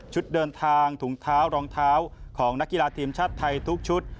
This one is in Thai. เดินทางถุงเท้ารองเท้าของนักกีฬาทีมชาติไทยทุกชุด